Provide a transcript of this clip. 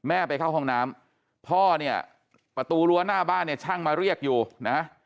ไปเข้าห้องน้ำพ่อเนี่ยประตูรั้วหน้าบ้านเนี่ยช่างมาเรียกอยู่นะ